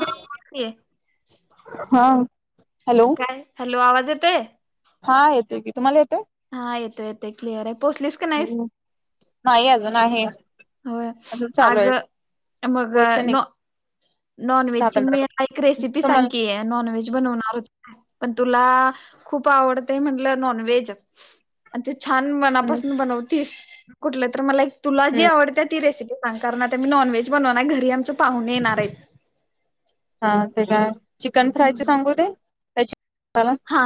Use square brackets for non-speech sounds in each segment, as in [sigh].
हा बोल हा हॅलो. काय हॅलो आवाज येतोय. हा येतोय की, तुम्हाला येतोय. हा.. येतोय.. येतोय.. क्लिअर हाय पोचलीस का नाहीस? नाही, अजून आहे. होय, अजून चालू अग आहे मग पोहोच नाही न. दहा नॉनव्हेजची पंधरा मी मला एक मिनिट रेसिपी सांग तुम्हाला की, नॉनव्हेज बनवणार होते... पण, तुला खूप आवडतंय म्हटलं? नॉनव्हेज. आणि ते छान हम्म मनापासून बनवतीस, कुठलं तर मला एक तुला जी हम्म आवडतीया ती, रेसिपी... सांग, कारण आता, मी नॉनव्हेज बनवणार घरी आमच्या पाहुणे येणार... [inaudible] हा, ते काय चिकन फ्रायचे हम्म. सांगू दे. तेचा मताण हा,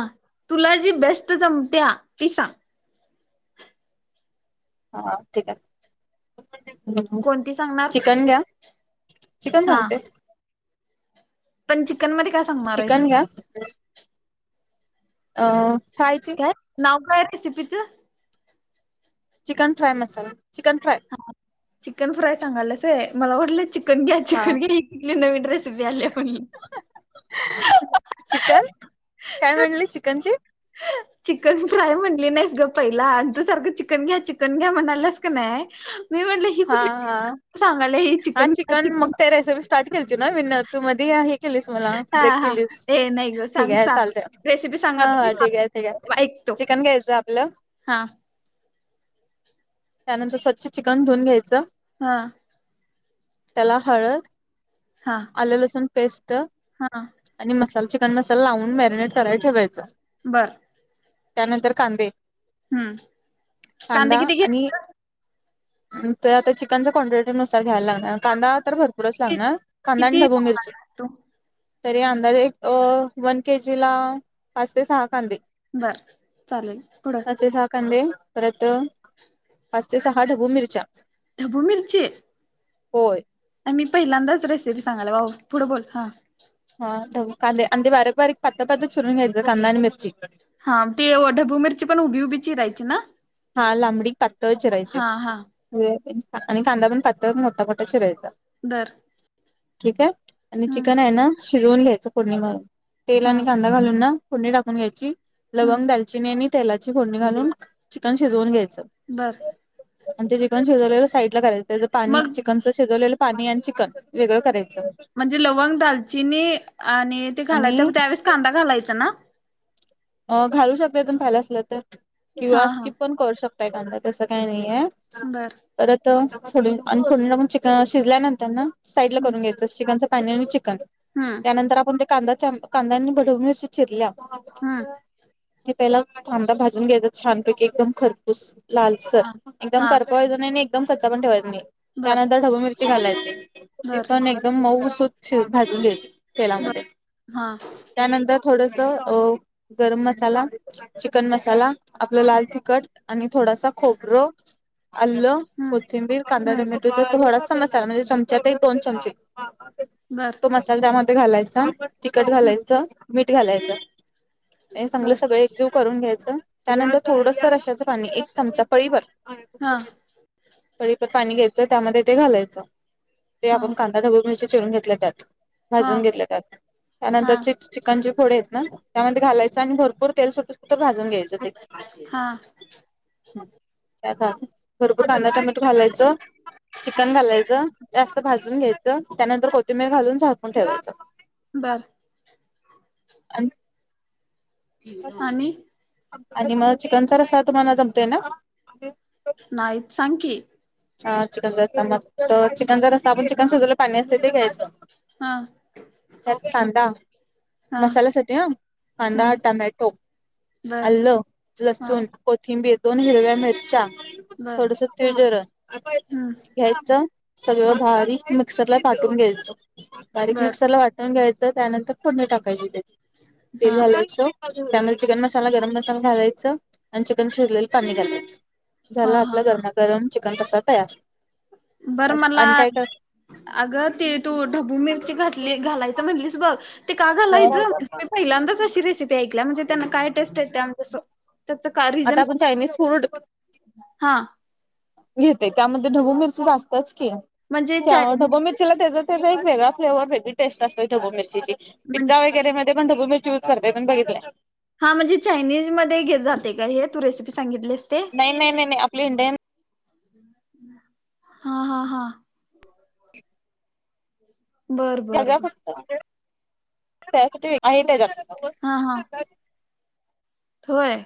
तुला जी बेस्ट जमत्या ती सांग. हा ठीक आहे. कोणती सांगणार चिकन घ्या. चिकन हा सांगते. पण, चिकन मध्ये काय आस. चिकन घ्या. अ.... खायच नव काय रसिपिच. Chicken fry masala, chicken fry हा, चिकन फ्राय सांगल्यास होय. मला वाटलं, चिकन घ्या, हा चिकन. कुठली, नवीन रेसिपी आलिया पण. चिकन, काय म्हटली? चिकनची. चिकन फ्राय म्हणली नाहीस ग. पहिला आणि तू सारखं चिकन घ्या, चिकन घ्या, म्हणाल्यास. कनाय, मी म्हटल ही... हा... हा.... सांगली हि हा चिकन मग, त्या रेसिपी स्टार्ट केलीती. मिन तू मध्ये आहे केलीस. मला हा ब्रेक हा केलीस ए नाही ग ठीक सांग आहे. सांग चालते, रेसिपी सांगा हा तरी हा ठीक आहे. ठीक सांग आहे. ऐकतो चिकन घ्यायचं आपलं हा... त्यानंतर, स्वच्छ चिकन धुऊन घ्यायचं. हा... त्याला हळद हा... आले, लसूण, पेस्ट हा... आणि मसाला चिकन मसाला लावून मॅरिनेट करायला ठेवायचा. बरं.... त्यानंतर, कांदे हम्म कांदे कांदा किती आणि घ्यायचं ते आता चिकनच्या क्वनटिटी नुसार घ्यायला लागणार. कांदा, तर भरपूरच लागणार. कांदा आणि किती ढबू सांगणार मिरची, तू तरी अंदाजे एक वन केजी ला पाच ते सहा कांदे. बर चालेल पुढं अछ साहा कंदे. परत, पाच ते सहा ढबू मिरच्या... ढबू मिर्ची... होय.... आणि मी पहिल्यांदाच रेसिपी सांगायला, भाऊ पुढे बोल हा... हा ढबु कादे बारीक बारीक पातत पात चिरून घ्यायचं. कांदा आणि मिरची हा ती ढबू मिरची पण उभी, उभी चिरायची ना! हा लांबडी पातळ चिरायची हा हा आणि कांदा पातळ पण मोठा, मोठा चिरायचा. बंर ठीक आहे. आणि चिकन आहे ना! शिजवून घ्यायचं पोडनी मधून तेल हा आणि कांदा घालून ना फोडणी टाकून घ्यायची हम्म लवंग, दालचिनी आणि तेलाची फोडणी घालून चिकन शिजवून घ्यायचं. बरं आणि ते चिकन शिजवले. साईड ला करायचं त्याच पाणी मग चिकन शेजवलेलं पाणी आणि चिकन वेगळं करायचं. म्हणजे लवंग दालचिनी आणि ते घालायचं. आणि त्यावेेळेस कांदा घालायचा ना! अ घालू शकतो. तुम्ही खात असले हा किंवा हा स्कीप पण करू शकताय, कांदा तसं काही नाहीय. बरं परत फो आणि फोड पण चिकन शिजल्यानंतर ना. साईड ला हम्म करून घ्यायचं. चिकनच पाणी आणि चिकन हम्म त्यानंतर आपण कांदायाच्या कांद्यांनी भडवूनशी चिरल्या. हा ते पहिला थांदा भाजून घ्यायचा छान पैकी एकदम खरपूस लालसर हा एकदम हा करपावायचं नाही. आणि एकदम कच्चा पण ठेवायचां नाही. बर त्यानंतर ढबून मिर- घालायचे. ते बर पण एकदम मऊसूत शी भाजून घ्यायचे. बर तेलामध्ये हा त्यानंतर थोडस अ गरम मसाला, चिकन मसाला, आपलं हा लाल तिखट आणि थोडासा खोबरं आल्ल, हम्म कोथिंबीर, कांदा, हम्म टोमॅटोचा थोडासा म्हणजे चमच्यात एक दोन चमचे बरं तो मसाला त्यामध्ये घालायचा, तिखट हम्म घालायचं, मीठ घालायचं, चांगलं बर सगळ एकजीव करून घ्यायचं. त्यानंतर थोडस रशाचं पाणी एक चमचा पळी भर- हा पळीप पाणी घ्यायचं. त्यामध्ये ते घालायचं ते हा 'आपण कांदा, ढबूळ मिरची चिरून घेतल्या त्यात हा भाजून घेतले जात हा त्यानंतर च चिकनची फोडे आहेत. ना त्यामध्ये घालायचं. आणि भरपूर तेल सुटत सुटं भाजून घ्यायचं ते हा त्या भरपूर कांदा टोमॅटो टाकून घालायचं चिकन घालायचं जास्त- भाजून घ्यायचं. त्यानंतर कोथिंबरालून झाकून ठेवायचं. बर अन आणि आणि मग चिकनचा रसा तुम्हाला जमतोय ना? नाही सांग की! हा चिकनचा रस्सा मग तर चिकनचा रस्सा आपण चिकन शिजवलेलं पाणी असते ते घ्यायचं- हा कांदा हा मसालासाठी ह कांदा, हम्म टमॅटो, बर आलं, हा लसूण, कोथिंबीर, दोन हिरव्या मिरच्या बर थोडस तिळ, जिर हम्म घ्यायचं, सगळं भारीक मिक्सरला पाटून घ्यायचं. बारीक बर मिक्सरला वाटून घ्यायचं त्यानंतर फोडणी टाकायची त्याची, हा तेल घालायचं. त्यानंतर चिकन मसाला गरम मसाला घालायच आणि चिकन शिजलेलं पाणी घालायचं. हा झाला हा आपला हा गरमा-गरम चिकन रस्सा तयार. बरं मला. आणि काय कर अगं ते तू ढबू मिरची घातली, घालायचं म्हणलीस बघ ते का घालायच, मी पहिल्यांदाच अशी रेसिपी ऐकल्या म्हणजे त्यांना काय टेस्ट येत्या कस त्याच काय आता रिजन आपण काय? चायनीज फूड हा. घेते, त्यामध्ये ढबू मिरची जास्तच कि, म्हणजे त्यामुळं चायनीज ढबू मिरचीला त्येजच तो एक वेगळा फ्लेवर वेगळी टेस्ट असते ढबूमिरचीची, पिझ्झा वगैरे ते पण ढबुमिरची युज करतय पण बघितलय. हा म्हणजे चायनीज मध्ये घेत जातय काय हे, तू रेसिपी सांगितलीस ते? नाही, नाही, नाही, नाही आपली इंडियन हम्. हा, हा, हा. बर बर बर [unintelligible] हा, हा. होय.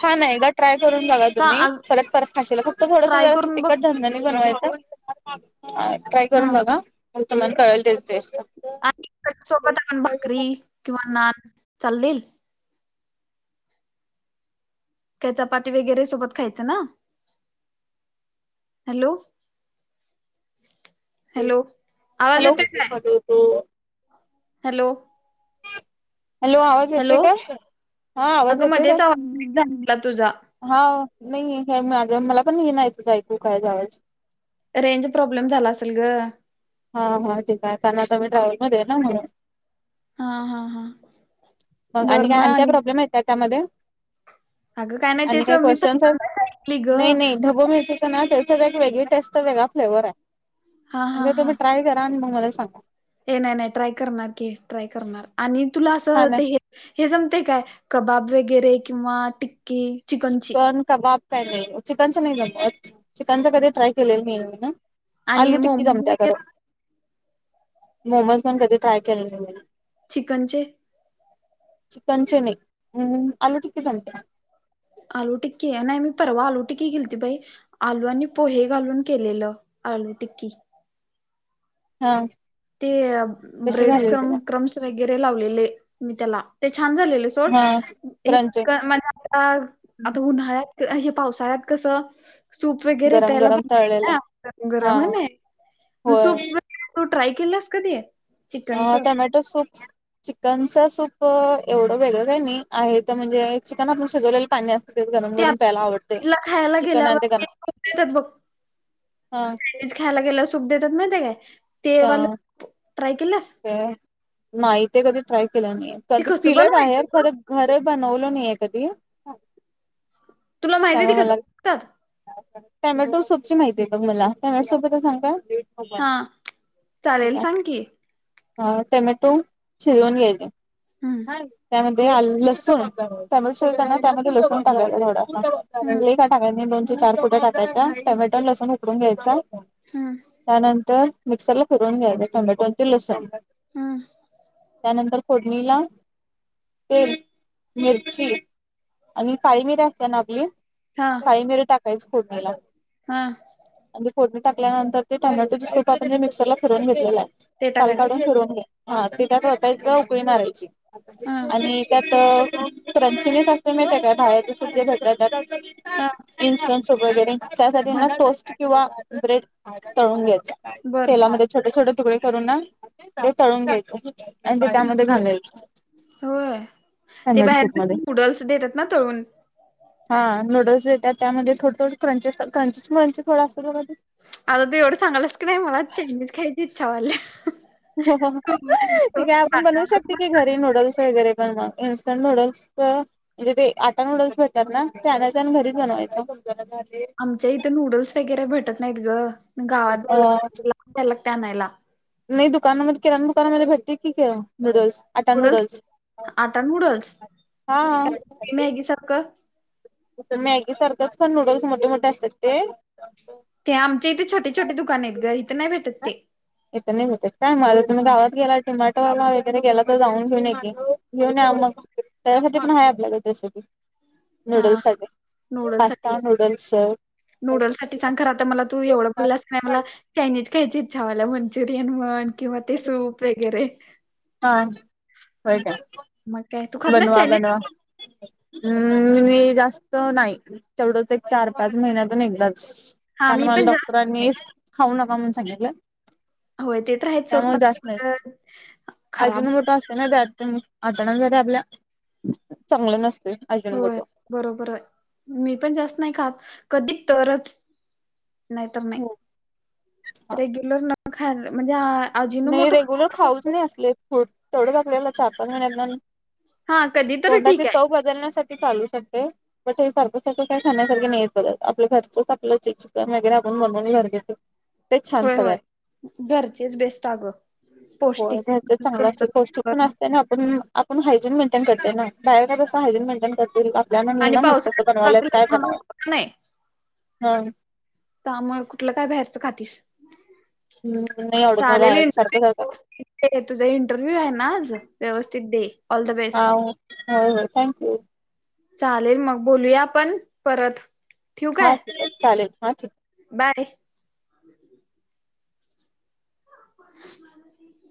छान आहे गट. ट्राय करून बघा का तुम्ही, परत, परत खाशीला फक्त थोडंसं ट्राय जरासं करून बघ तिखट झणझणीत बनवायचं. ट्राय हा करून बघा, मग तुम्हाला कळेल तेची टेस्ट. आणि त्या सोबत आपण भाकरी किंवा नान चालेल? काय चपाती वगैरे सोबत खायचं ना? हॅलो. हॅलो, आवाज हॅलो येतोय काय? हॅलो. हॅलो आवाज येतोय हॅलो काय? हा आवाज अगं येतोय काय? [unintelligible] हाव, नाही हे माझ्या मला पण हे नाहीय ऐकू काय जायाच. रेंज प्रॉब्लेम झाला असल ग. हा, हा ठीक हाय, कारण आता मी ट्रॅव्हल मध्ये आहे ना म्हणून. हा, हा, हा. मग आणि काय? आणि काय प्रॉब्लेम आहेत काय त्या त्यामध्ये? अगं नाही आणि तेच काय मी क्वेशचन् आहेत? पहिल्यांदाच ऐकली ग नाही, नाही ढबू मिर्चीच. तेच ना, एक वेगळी टेस्ट वेगळा फ्लेवर हाय, हा एकदा तुम्ही ट्राय करा आणि म मला सांगा. हे नाही, नाही ट्राय करणार की, ट्राय करणार आणि तुला असं छान ते आहे हे जमतंय काय? कबाब वगैरे किंवा टिक्की? चिकनची चिकन कबाब काय नाही, चिकनच नाही जमत, चिकनच कधी ट्राय केलेलं नाही मीन. आणि आलू टिक्की मोमो जमतीया खर, वगैरे मोमज पण कधी ट्राय केले नाही म. चिकनचे? चिकनचे नाही, हम्म आलु टिकी जमत्या. आलू टिक्की, नाही मी परवा आलू टिक्की केलती बाई आलू आणि पोहे घालून केलेलं, आलू टिक्की. हा. ते कशी ब्रेड झालेली तुला क्रम्स, क्रम्स वगैरे लावलेले मी त्येला. ते छान झालेले. हा क्रंची [unintelligible] आता उन्हाळ्यात हे पावसाळ्यात कसं? सूप वगैरे गरम प्यायला गरम तळलेलं हाय ना गरम हा होय ने होय सूप वगैरे तू ट्राय केलास कधी? चिकनच ह टोमॅटो सूप. चिकनच सूप एवढं वेगळं काही नाही आहे तर म्हणजे चिकन आपण शिजवलेलं पाणी असत ते आपण खायला चिकन गेल्यावर आणि गरम ते देत्यात बघ. हा ते खायला गेल्यावर सूप देत्यात माहिती आहे काय ते वाल अच्छा ट्राय केल्यास? नाही ते कधी ट्राय केलं नाही ते कसं पिलय बनवायचं बाहेर ग खरं घरी बनवल नाहीय कधी तुला माहिती आहे त्यामुळं ती मला कसं बघतात टॅमॅटो सूप ची माहितीय बघ मला टॅमॅटो सूपच सांग काय? हा चालेल सांग की, अ टोमॅटो शिजवून घ्यायचे हम्म त्यामध्ये आलं लसूण, टोमॅटो शिजवताना त्यामध्ये लसूण टाकायचा थोडासा लई काय हम्म नाही टाकायचा दोन चार कुड्या टाकायचा टोमॅटो लसून उकडून घ्यायचा हम्. त्यानंतर मिक्सरला फिरून घ्यायच टोमॅटो आणि ते लसूण. हम्. त्यानंतर फोडणीला, तेल, मिरची आणि काळी मिर असत्या ना आपली. हा. काळी मिरी टाकायचं फोडणीला. हा. आणि फोडणी टाकल्यानंतर ते टोमॅटोच सुप आपण जे मिक्सरला फिरवून घेतलेल आहे. ते सालं टाकायचं काढून काय फिरवून घे हा ति त्यात वतायचं उकळी मारायची. हा आणि त्यात [inaudible] चिली सॉस असतोय माहित आहे काय बाहेरच्या सुप ते घालत्यात त्यात. हा इनस्टंस वगैरे त्यासाठी ना हा टोस्ट किंवा ब्रेड तळून घ्यायचा. बर तेलामध्ये छोटे छोटे तुकडे करून ना ते तळून घ्यायचं. आणि ते त्यामध्ये घालायच. होय ते बाहेर मध्ये कसल्या नूडल्स देत्यात ना तळून. हा नूडल्स देत्यात त्यामध्ये थोडं थोड क्रंचेस क्रंचेस मंच थोड असत्यात बघा ते आता तू एवढं सांगाल्यास की नाही मला चायनीज खायची इच्छा व्हायल्या. ते काय आपण बनवू शकतोय की, घरी नूडल्स. वगैरे इंस्टंट नूडल्स तर म्हणजे ते आटा नूडल्स भेटतात ना ते आणायचं आणि ते घरीच बनवायचं. आमच्या इथं नूडल्स वगैरे भेटत नाहीत ग गावात अ जायला लागतय त्याला आणनायला. नाही दुकानामध्ये किराणा दुकानामध्ये भेटतय की गं नूडल्स. आता नूडल्स आटा हा. -गी सारखं. मॅगी सारखंच पण नूडल्स मोठे मोठे असत्यात ते. ते आमच्या इथं छोटे छोटे दुकान आहेत गं इथे नाही भेटत ते. इथं नाही भेटत काय मग आता तुम्ही हा गावात गेलात तर डी मार्ट ला वगैरे गेला तर जाऊन घेऊन या की घेऊन या मग त्याच्यासाठी पण आहे आपल्याकडे रेसिपी. हा नूडल्स साठी नूडल्स साठी, पास्ता नूडल्स हा नूडल्स साठी सांग खर आता मला तू एवढं बोल्यास काय मला चायनीज खायची इच्छा व्हायल्या मंचुरियन म्हन किंवा ते सूप वगैरे हा होय काय, मग काय तू खात नाहीस बनवा चायनीज बनवा. हम्म मी जास्त नाय तेवढंच एक चार पाच महिन्यातून एकदाच हा कारण मी मला पण जास्त खात नाही डॉक्टरांनीच खाऊ नका म्हणून सांगितलय. होय ते तर आहेच सोड पण [unintelligible] खराब- होत. मोठो असत ना त्यात ते मग आतड्यासाठी आपल्या चांगलं नसतय. होय बरोबर हाय मी पण जास्त नाय खात कधी तरच नायतर नाय रेग्युलर न खाय म्हणजे आ नय रेग्युलर खाऊच नये असले फूड तेवढच आपल्याला चार पाच महिन्यातुन हा कधी तर तोंडाची ठीक आहे चव बद बदलण्यासाठी चालू करते बट हे सारखं सारखं काय खाण्यासारखे नाही येत पदार्थ आपल्या घरचंच आपलं चिकन वगैरे आपण बनवून घरी घेतो ते छान होय होय सगळ्यात. घरचेच बेस्ट अगं. होय पौष्टिक घरचेंच चांगलं असतय पौष्टिक पण तुमचं असतय ना आपण आपण हायजीन मेंटेन करतोय ना बाहेर काय तस हायजीन मेंटेन कर आपल्याला नाय आणि ना माहित कसं पावसाळ्यात आता बनवाल्यात, काय लहान बनवा मुलं हा त्यामुळं कुठलं काय बाहेरचं खातीस हम्म नाही आवडत मला बाहेरचं सारखं सारखं ये तुझा इंटरव्ह्यू आहे ना आज व्यवस्थित दे ऑल द हा बेस्ट. होय होय थँक्यू. चालेल मग बोलूया आपण परत ठेवू हा काय ठीक ये चालेल, हा ठेव. बाय. [inaudible]